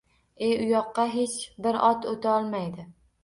E, u yoqqa hech bir ot o‘ta olmaydi.